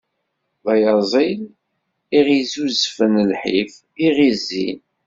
D ayaẓil i ɣ-izzuzfen lḥif, i ɣ-izzin.